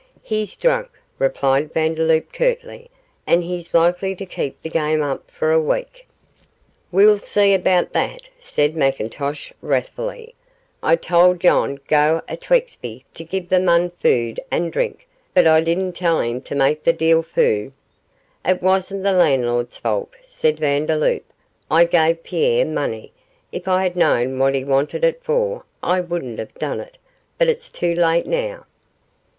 'He's drunk,' replied Vandeloup, curtly, 'and he's likely to keep the game up for a week.' 'We'll see about that,' said Mr McIntosh, wrathfully; 'I tauld yon gowk o' a Twexby to give the mon food and drink, but I didna tell him to mack the deil fu'.' 'It wasn't the landlord's fault,' said Vandeloup; 'I gave Pierre money if I had known what he wanted it for I wouldn't have done it but it's too late now.